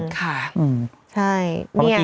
ค่ะใช่